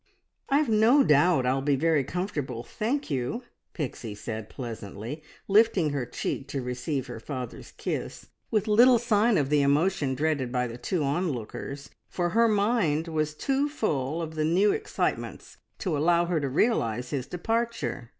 "I've no doubt I'll be very comfortable, thank you," Pixie said pleasantly, lifting her cheek to receive her father's kiss, with little sign of the emotion dreaded by the two onlookers, for her mind was too full of the new excitements to allow her to realise his departure.